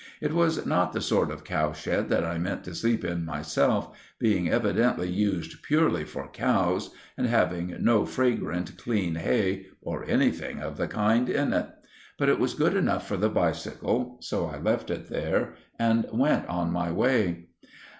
It was not the sort of cowshed that I meant to sleep in myself, being evidently used purely for cows, and having no fragrant, clean hay or anything of the kind in it; but it was good enough for the bicycle; so I left it there and went on my way.